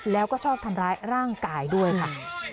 แล้วก็ชอบทำร้ายร่างกายด้วยค่ะ